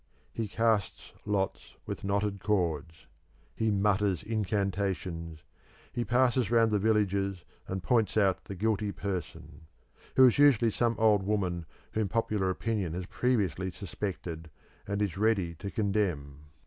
He casts lots with knotted cords; he mutters incantations; he passes round the villagers and points out the guilty person, who is usually some old woman whom popular opinion has previously suspected and is ready to condemn.